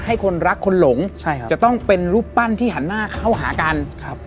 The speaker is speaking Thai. คนรักคนหลงใช่ครับจะต้องเป็นรูปปั้นที่หันหน้าเข้าหากันครับ